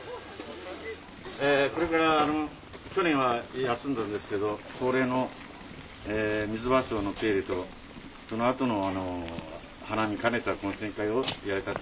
これから去年は休んだんですけど恒例のミズバショウの手入れとそのあとの花見兼ねた懇親会をやりたいと思いますので。